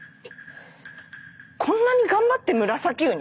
こんなに頑張ってムラサキウニ？